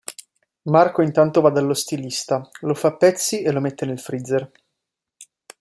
Marco intanto va dallo stilista, lo fa a pezzi e lo mette nel freezer.